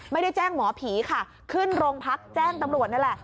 ไม่ได้แจ้งหมอผีค่ะขึ้นโรงพักแจ้งตำรวจนั่นแหละ